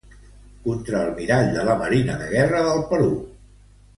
Contraalmirall de la Marina de Guerra del Perú.